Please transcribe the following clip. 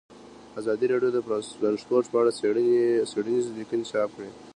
ازادي راډیو د ترانسپورټ په اړه څېړنیزې لیکنې چاپ کړي.